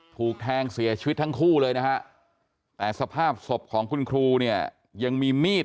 ถูกแทงเสียชีวิตทั้งคู่เลยนะฮะแต่สภาพศพของคุณครูเนี่ยยังมีมีด